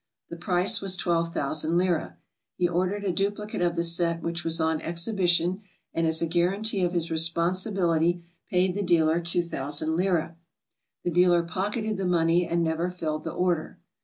The price was 12,000 lire. He ordered a duplicate of the set which was on exhibition, and as a guaranty of his responsibility paid the dealer 2,000 lire. The dealer pocketed the money and never filled the order.